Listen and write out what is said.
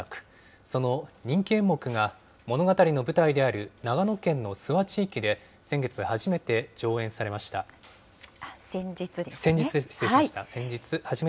その人気演目が物語の舞台である長野県の諏訪地域で先月初めて上先日ですね。